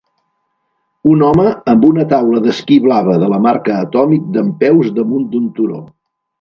Un home amb una taula d'esquí blava de la marca Atomic dempeus damunt d'un turó